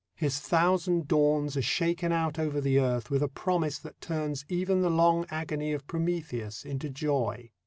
His thousand dawns are shaken out over the earth with a promise that turns even the long agony of Prometheus into joy.